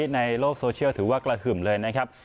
ในโลกโซเชียลถือว่ากระหึ่มเลยนะครับ